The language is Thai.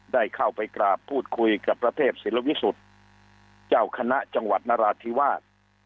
ได้เข้าไปกราบพูดคุยกับพระเทพศิลวิสุทธิ์เจ้าคณะจังหวัดนราธิวาส